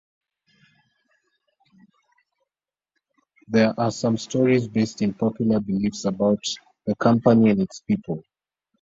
There are some stories based in popular beliefs about the company and its people.